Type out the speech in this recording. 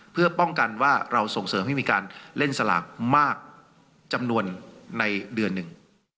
เพื่อป้องกันว่าเราส่งเสริมให้มีการเล่นสลากมากจำนวนในเดือนหนึ่ง